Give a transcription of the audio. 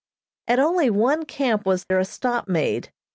] At only one camp was there a stop made.